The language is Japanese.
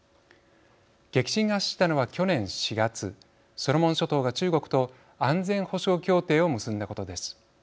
激震が走ったのは、去年４月ソロモン諸島が中国と安全保障協定を結んだことです。